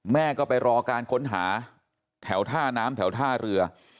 แม่ก็ไปรอการค้นหาแถวท่าน้ำแถวท่าเรือ